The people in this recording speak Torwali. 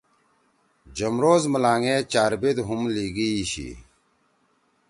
جمروز ملانگ ئے چاربیت ہُم لیِگی شی۔